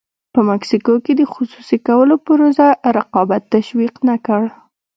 په مکسیکو کې د خصوصي کولو پروسه رقابت تشویق نه کړ.